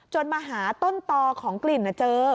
มาหาต้นตอของกลิ่นเจอ